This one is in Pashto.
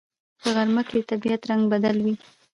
په غرمه کې د طبیعت رنگ بدل وي